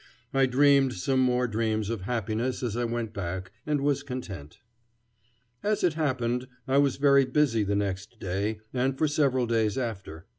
I dreamed some more dreams of happiness as I went back, and was content. As it happened, I was very busy the next day and for several days after.